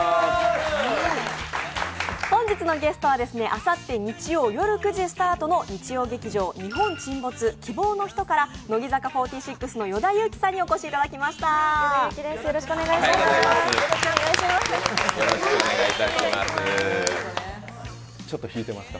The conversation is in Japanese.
本日のゲストはあさって日曜夜９時スタートの日曜劇場「日本沈没−希望のひと−」にご出演の乃木坂４６の与田祐希さんにお越しいただきました。